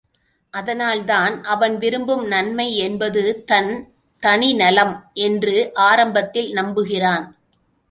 அதனால் தான் அவன் விரும்பும் நன்மை என்பது தன் தனி நலம் என்று ஆரம்பத்தில் நம்புகிறான்.